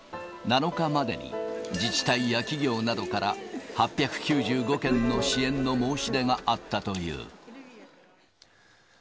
７日までに自治体や企業などから８９５件の支援の申し出があった